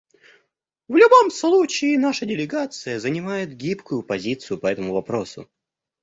В любом случае, наша делегация занимает гибкую позицию по этому вопросу.